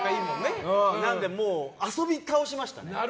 なので、遊び倒しましたね。